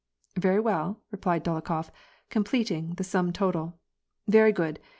"Very well," replied Dolokhof, completing the sum total, "Very good!